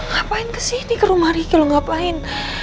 lo ngapain kesini ke rumah riki lo ngapain